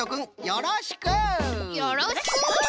よろしく！